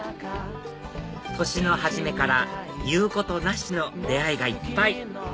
年の初めから言うことなしの出会いがいっぱい！